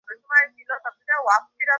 দুজনের চেহারায় বিস্ময়কর মিল।